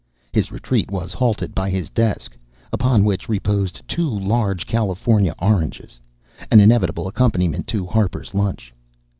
His retreat was halted by his desk, upon which reposed two large California oranges, an inevitable accompaniment to Harper's lunch.